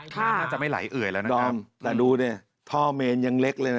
ค่ะจะไม่ไหลเอ๋ยแล้วนะครับดอมแต่ดูเนี้ยท่อเมนยังเล็กเลยนะอ๋อ